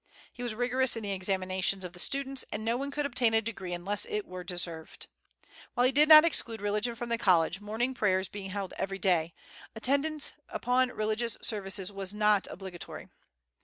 He was rigorous in the examinations of the students, and no one could obtain a degree unless it were deserved. While he did not exclude religion from the college, morning prayers being held every day, attendance upon religious services was not obligatory.